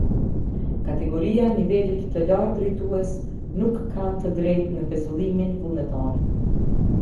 Kategoria e nivelit të lartë drejtues nuk kanë të drejtë në pezullimin vullnetar.